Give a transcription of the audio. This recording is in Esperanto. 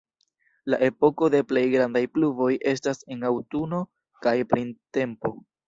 La epoko de plej grandaj pluvoj estas en aŭtuno kaj printempo.